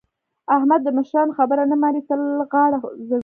احمد د مشرانو خبره نه مني؛ تل غاړه ځوي.